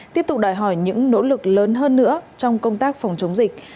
tiếp tục đòi hỏi những nỗ lực lớn hơn nữa trong công tác phòng chống dịch